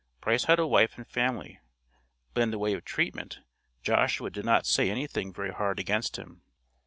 Price had a wife and family, but in the way of treatment, Joshua did not say anything very hard against him.